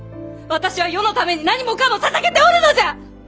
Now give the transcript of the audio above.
私は世のために何もかもささげておるのじゃ！